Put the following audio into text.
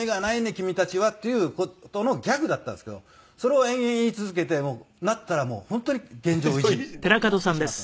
君たちはという事のギャグだったんですけどそれを延々言い続けてなったら本当に現状維持になってしまったんです。